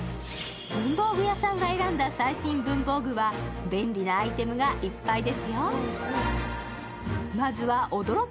文房具屋さんが選んだ最新文房具は便利なアイテムがいっぱいですよ。